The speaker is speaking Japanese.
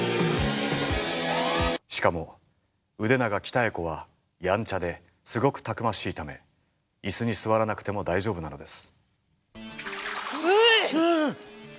しかも腕長鍛子はやんちゃですごくたくましいため椅子に座らなくても大丈夫なのです。